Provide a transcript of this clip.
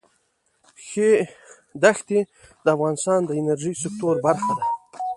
ښتې د افغانستان د انرژۍ سکتور برخه ده.